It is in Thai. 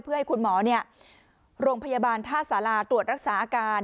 เพื่อให้คุณหมอโรงพยาบาลท่าสาราตรวจรักษาอาการ